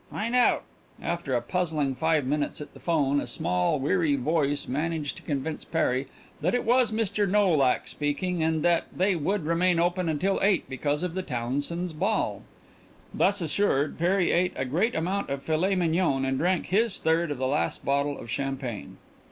"Find out." After a puzzling five minutes at the phone a small, weary voice managed to convince Perry that it was Mr. Nolak speaking, and that they would remain open until eight because of the Townsends' ball. Thus assured, Perry ate a great amount of filet mignon and drank his third of the last bottle of champagne.